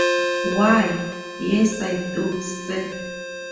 Why, yes, I do, sir.